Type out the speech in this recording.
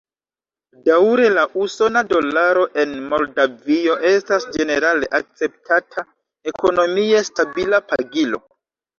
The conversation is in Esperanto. Daŭre la usona dolaro en Moldavio estas ĝenerale akceptata, ekonomie stabila pagilo.